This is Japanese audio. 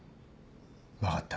分かった。